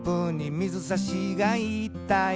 「水さしが言ったよ」